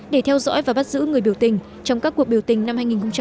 để theo dõi và bắt giữ người biểu tình trong các cuộc biểu tình năm hai nghìn chín